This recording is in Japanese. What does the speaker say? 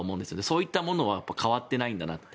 そういったものは変わってないんだなと。